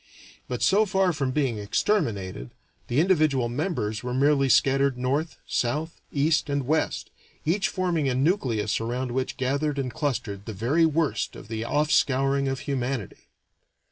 But, so far from being exterminated, the individual members were merely scattered north, south, east, and west, each forming a nucleus around which gathered and clustered the very worst of the offscouring of humanity.